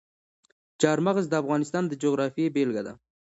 چار مغز د افغانستان د جغرافیې بېلګه ده.